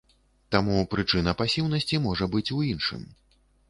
Таму прычына пасіўнасці можа быць у іншым.